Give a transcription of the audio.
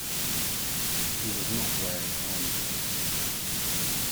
He was not wearing a helmet.